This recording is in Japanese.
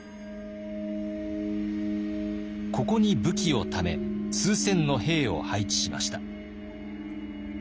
ここに武器をため数千の兵を配置しました。